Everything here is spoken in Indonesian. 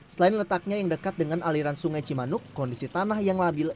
selain letaknya yang dekat dengan aliran sungai cimanuk kondisi tanah yang labil